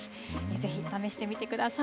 ぜひ試してみてください。